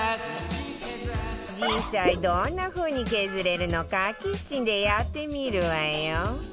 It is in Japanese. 実際どんな風に削れるのかキッチンでやってみるわよ